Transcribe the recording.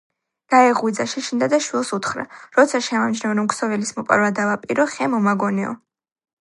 გაეღვიძა, შეშინდა და შვილს უთხრა: როცა შემამჩნევ რომ ქსოვილის მოპარვა დავაპირო, ხე მომაგონეო!